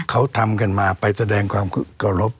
เขาทำกันมาไปแสดงความเคารพ